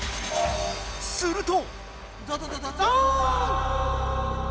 すると。